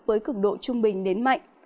với cực độ trung bình đến mạnh